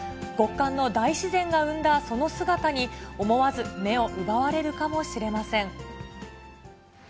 極寒の大自然が生んだその姿に、思わず目を奪われるかもしれません。